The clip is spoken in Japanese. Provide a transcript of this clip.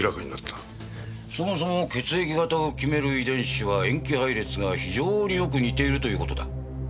そもそも血液型を決める遺伝子は塩基配列が非常によく似ているという事だ。